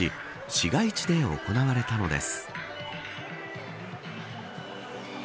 市街地で行われたのです。